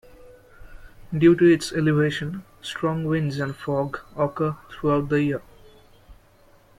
Due to its elevation, strong winds and fog occur throughout the year.